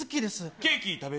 ケーキ食べる？